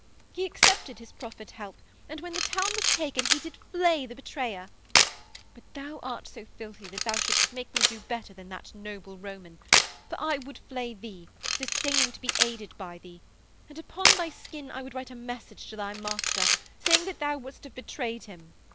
He accepted his proffered help, and when the town was taken he did flay the betrayer. But thou art so filthy that thou shouldst make me do better than that noble Roman, for I would flay thee, disdaining to be aided by thee; and upon thy skin I would write a message to thy master saying that thou wouldst have betrayed him!'